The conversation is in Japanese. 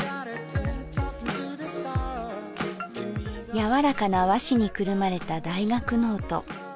柔らかな和紙にくるまれた大学ノート。